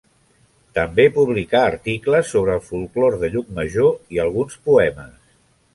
També publicà articles sobre el folklore de Llucmajor i alguns poemes.